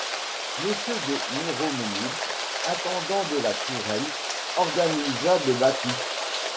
Monsieur de Miromesnil, intendant de la Touraine, organisa des battues.